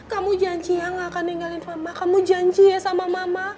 kamu janji ya tidak akan meninggalin mama kamu janji ya sama mama